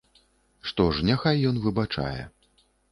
Што ж, няхай ён выбачае.